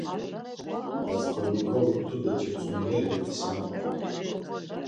Rasǩolnikovik tude cetzomileri isinapamt̆u.